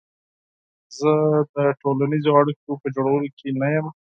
زه د ټولنیزو اړیکو په جوړولو کې نه یم.